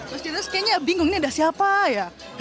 mas jilis kayaknya bingung ini ada siapa ya